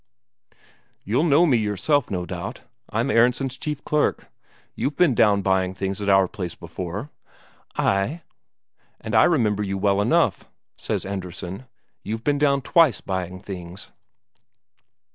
"You'll know me yourself, no doubt; I'm Aronsen's chief clerk. You've been down buying things at our place before." "Ay." "And I remember you well enough," says Andresen. "You've been down twice buying things."